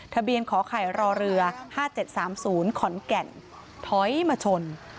ทะเบียนขอให้รอเรือ๕๗๓๐ขอนแก่นถอยมาชน